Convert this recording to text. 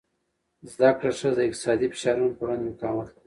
زده کړه ښځه د اقتصادي فشار پر وړاندې مقاومت لري.